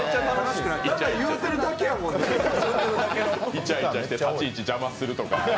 イチャイチャして立ち位置邪魔するとか。